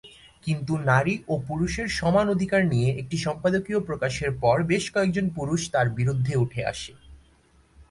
কিন্তু নারী ও পুরুষের সমান অধিকার নিয়ে একটি সম্পাদকীয় প্রকাশের পর বেশ কয়েকজন পুরুষ তার বিরুদ্ধে উঠে আসে।